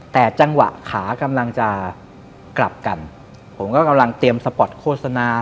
แต่จังหวะขากำลังจะกลับกันผมก็กำลังเตรียมสปอร์ตโฆษณา